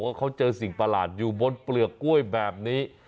ว่าเขาเจอสิ่งประหลาดอยู่บนเปลือกกล้วยแบบนี้